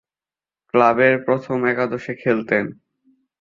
ক্লাবের প্রথম একাদশে খেলতেন।